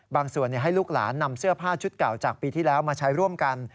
ส่วนให้ลูกหลานนำเสื้อผ้าชุดเก่าจากปีที่แล้วมาใช้ร่วมกัน